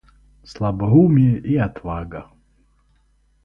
Слабоумие и отвага.